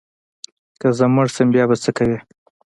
که زه مړ شم بیا به څه کوې؟